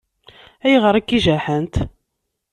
Ayɣer akka i jaḥent?